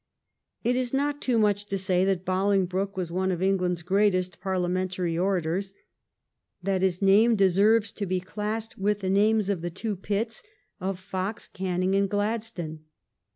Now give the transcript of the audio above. It is not too much to say that Bolingbroke was one of England's greatest parliamentary orators, that his name deserves to be classed with the names of the two Pitts, of Fox, Canning, and Gladstone.